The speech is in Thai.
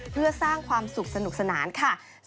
เพื่อสร้างความสุขสนุกสนานค่ะ